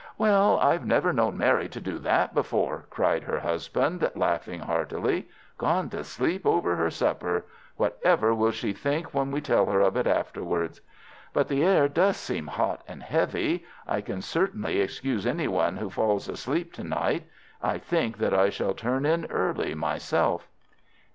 "Well, I've never known Mary do that before," cried her husband, laughing heartily. "Gone to sleep over her supper! What ever will she think when we tell her of it afterwards? But the air does seem hot and heavy. I can certainly excuse any one who falls asleep to night. I think that I shall turn in early myself."